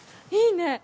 いいね